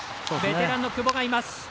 ベテランの久保がいます。